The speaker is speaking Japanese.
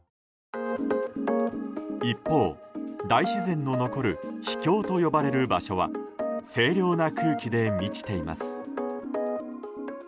一方、大自然の残る秘境と呼ばれる場所は清涼な空気で満ちています。